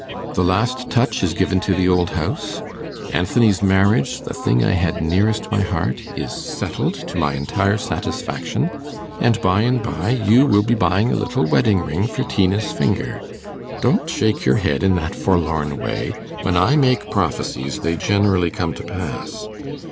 The last touch is given to the old house; Anthony's marriage the thing I had nearest my heart is settled to my entire satisfaction; and by and by you will be buying a little wedding ring for Tina's finger. Don't shake your head in that forlorn way; when I make prophecies they generally come to pass.